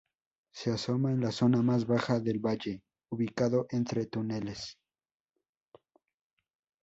Se asoma, en la zona más baja del valle, ubicado entre túneles.